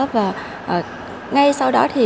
và ngay sau đó thì